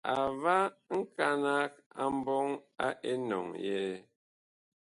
A va nkanag a mbɔŋ a enɔŋ yɛɛ.